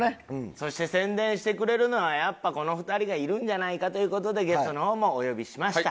そして宣伝してくれるのはやっぱこの２人がいるんじゃないかという事でゲストの方もお呼びしました。